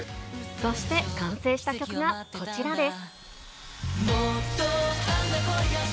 そして、完成した曲がこちらです。